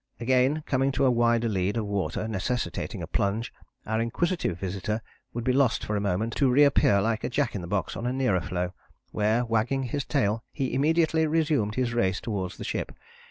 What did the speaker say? Again, coming to a wider lead of water necessitating a plunge, our inquisitive visitor would be lost for a moment, to reappear like a jack in the box on a nearer floe, where wagging his tail, he immediately resumed his race towards the ship.